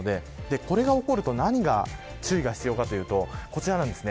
これが起こると、何が注意が必要かというとこちらです。